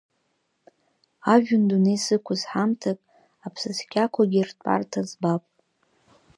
Ажәҩан дунеи сықәыз ҳамҭак, аԥсыцқьақәагьы ртәарҭа збап.